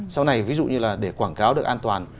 sau này ví dụ như là để quảng cáo được an toàn